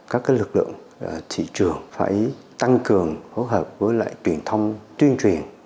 các lực lượng thị trường phải tăng cường hỗ hợp với lại truyền thông tuyên truyền